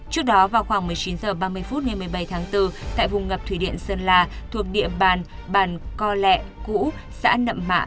trước đó vào khoảng một mươi chín h ba mươi phút ngày một mươi bảy tháng bốn tại vùng ngập thủy điện sơn la thuộc địa bàn bàn co lẹ cũ xã nậm mạ